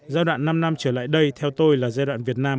giai đoạn năm năm trở lại đây theo tôi là giai đoạn việt nam